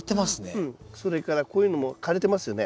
それからこういうのも枯れてますよね？